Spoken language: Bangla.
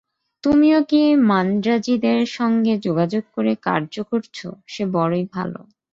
তুমিও যে মান্দ্রাজীদের সঙ্গে যোগদান করে কার্য করছ, সে বড়ই ভাল।